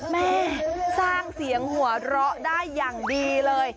แม่สร้างเสียงหัวเราะได้อย่างดีเลย